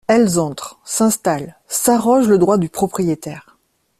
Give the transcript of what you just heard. Elles entrent, s’installent, s’arrogent le droit du propriétaire.